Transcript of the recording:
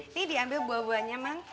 ini diambil buah buahnya bang